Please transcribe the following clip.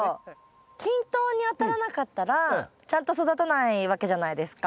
均等に当たらなかったらちゃんと育たないわけじゃないですか。